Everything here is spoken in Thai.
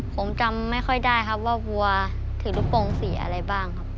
ผมจำไม่ค่อยได้ครับว่าวัวถือลูกโปรงสีอะไรบ้างครับ